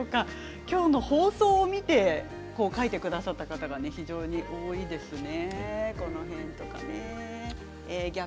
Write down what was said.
今日の放送を見て書いてくださった方から非常に多いんですね。